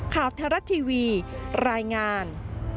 ข่าวแทรกทีวีรายงาน